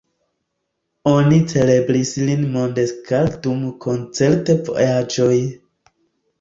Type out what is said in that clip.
Oni celebris lin mondskale dum koncert-vojaĝoj.